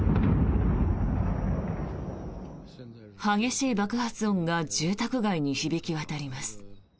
激しい爆発音が住宅街に響き渡ります。